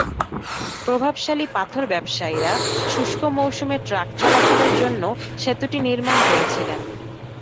প্রভাবশালী পাথর ব্যবসায়ীরা শুষ্ক মৌসুমে ট্রাক চলাচলের জন্য সেতুটি নির্মাণ করেছিলেন।